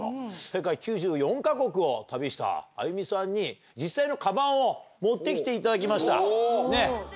世界９４か国を旅した歩さんに実際のカバンを持って来ていただきました。